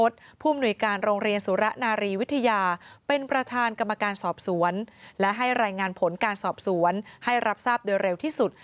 และให้รายงานผลการสอบสวนให้รับทราบโดยเร็วที่สุด